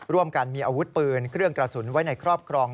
ร่วมกันมีอาวุธปืนเครื่องกระสุนไว้ในครอบครอง